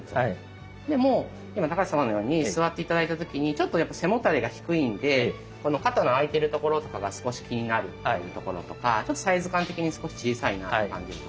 でも今高橋様のように座って頂いた時にちょっとやっぱ背もたれが低いんでこの肩の空いてるところとかが少し気になるというところとかちょっとサイズ感的に少し小さいなって感じるとか。